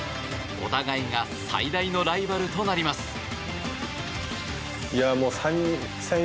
お互いが最大のライバルとなります。